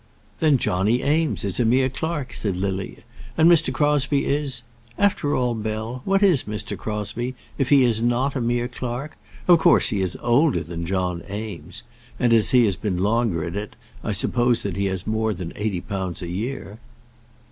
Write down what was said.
"Then Johnny Eames is a mere clerk," said Lily; "and Mr. Crosbie is After all, Bell, what is Mr. Crosbie, if he is not a mere clerk? Of course, he is older than John Eames; and, as he has been longer at it, I suppose he has more than eighty pounds a year."